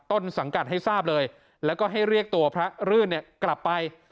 ต้นสังกัดให้ทราบเลยแล้วก็ให้เรียกตัวพระรื่นเนี่ยกลับไป